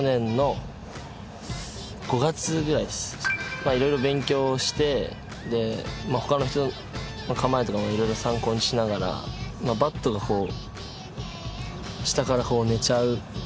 まあ色々勉強して他の人の構えとかも色々参考にしながらバットが下から寝ちゃう癖もあって。